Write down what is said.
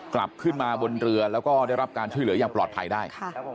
กลับขึ้นมาบนเรือแล้วก็ได้รับการช่วยเหลืออย่างปลอดภัยได้